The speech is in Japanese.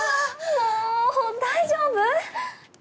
もう大丈夫？